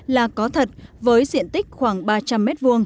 là có thật với diện tích khoảng ba trăm linh m hai